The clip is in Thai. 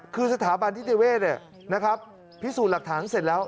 คือสถาบันที่ได้เวทย์เนี่ยนะครับพิสูจน์หลักฐานเสร็จแล้ว